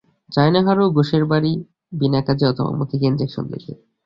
যায় না হারু ঘোষের বাড়ি, বিনা কাজে অথবা মতিকে ইনজেকশন দিতে।